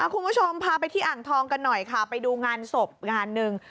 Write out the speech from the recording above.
คุณผู้ชมพาไปที่อ่างทองกันหน่อยค่ะไปดูงานศพงานหนึ่ง